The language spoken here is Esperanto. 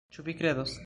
Ĉu vi kredos?